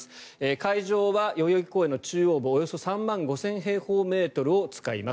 会場は代々木公園の中央部およそ３万５０００平方メートルを使います。